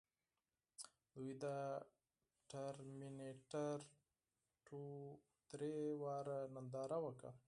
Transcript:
دوی د ټرمینیټر ټو درې ځله ننداره وکړه